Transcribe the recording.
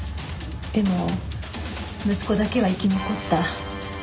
でも息子だけは生き残った。